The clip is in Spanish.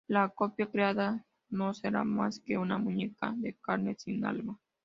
La copia creada no será más que una muñeca de carne sin alma.